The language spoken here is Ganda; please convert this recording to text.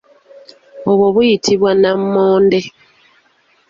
Obwo buyitibwa nammonde.